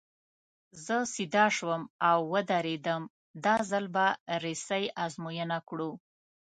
زه سیده شوم او ودرېدم، دا ځل به رسۍ ازموینه کړو.